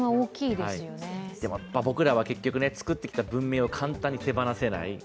僕らは作ってきた文明を簡単に手放せない。